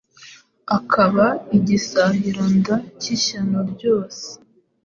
akaba igisahiranda cy’ishyano ryose.